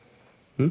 うん？